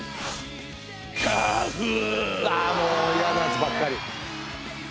うわもうイヤなやつばっかり。